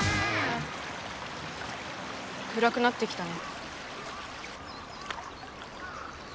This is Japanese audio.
くらくなってきたね。